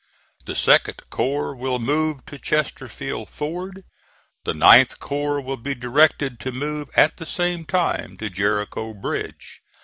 The 2d corps will move to Chesterfield Ford. The 9th corps will be directed to move at the same time to Jericho Bridge.